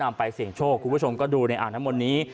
ดำไปเสียงโชคคุณผู้ชมดูในอ่างน้ำมลนี้